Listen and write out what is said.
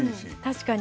確かに。